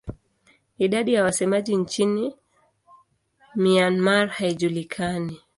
Idadi ya wasemaji nchini Myanmar haijulikani.